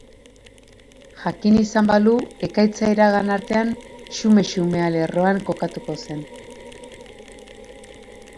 Jakin izan balu, ekaitza iragan artean, xume-xumea lerroan kokatuko zen.